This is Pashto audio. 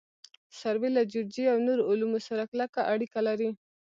سروې له جیولوجي او نورو علومو سره کلکه اړیکه لري